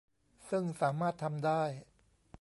ซึ่งสามารถทำได้